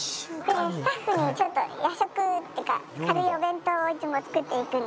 スタッフにちょっと夜食っていうか軽いお弁当をいつも作っていくんで。